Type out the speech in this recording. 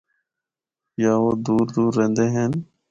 یا او دور دور رہندے ہن۔